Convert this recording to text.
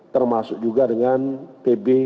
termasuk juga dengan pb